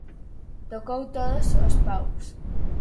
Tocou todos os paus.